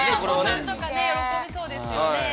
◆お子さんとか喜びそうですね。